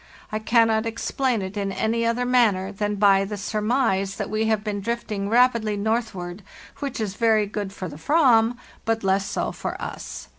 I cannot explain it in any other manner than by the surmise that we have been drifting rapidly northward, which is very good for the Aram, but less so for us.